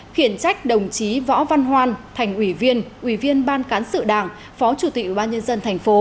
khiển trách đồng chí võ văn hoan thành ủy viên ủy viên ban cán sự đảng phó chủ tịch ubnd tp